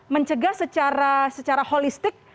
mencegah secara secara holistik